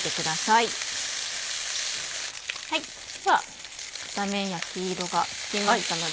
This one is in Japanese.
では片面焼き色がつきましたので。